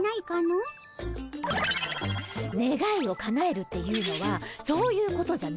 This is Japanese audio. あねがいをかなえるっていうのはそういうことじゃないんです。